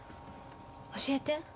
教えて。